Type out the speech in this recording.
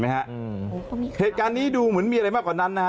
เหตุการณ์นี้ดูเหมือนมีอะไรมากกว่านั้นนะฮะ